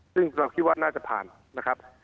ซึ่งเราคิดว่าน่าจะผ่านนะครับ